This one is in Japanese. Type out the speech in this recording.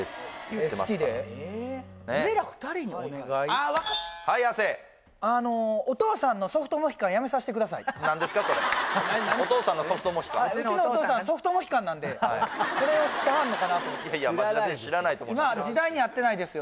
うちのお父さんソフトモヒカンなんでそれを知ってはんのかなと思って町田選手知らないと思いますよ